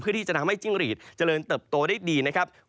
เพื่อที่จะทำให้จิ้งลีทเจริญเติบโตได้ดี